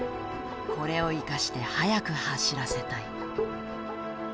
これを生かして速く走らせたい。